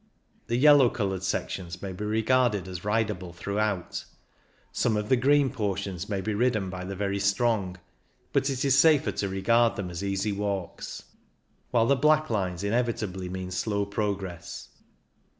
The yellow coloured sections may be regarded as ridable throughout ; some of the green portions may be ridden by the very strong, but it is safer to regard them as easy walks ; while the black lines inevitably mean slow progress.